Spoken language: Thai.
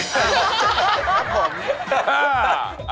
ครับผม